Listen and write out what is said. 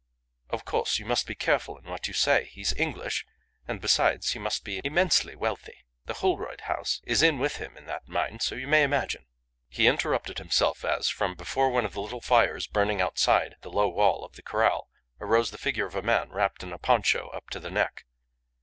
Of course, you must be careful in what you say. He's English, and besides he must be immensely wealthy. The Holroyd house is in with him in that mine, so you may imagine " He interrupted himself as, from before one of the little fires burning outside the low wall of the corral, arose the figure of a man wrapped in a poncho up to the neck.